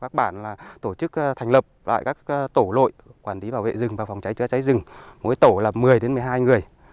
các bản là tổ chức thành lập lại các tổ lội quản lý bảo vệ rừng và phòng cháy chữa cháy rừng mỗi tổ là một mươi một mươi hai người